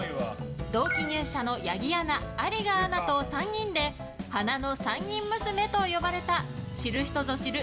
同期入社の八木アナ、有賀アナと３人で花の３人娘と呼ばれた知る人ぞ知る